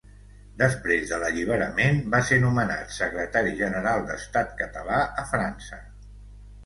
Després de l’alliberament va ser nomenat Secretari General d’Estat Català a França.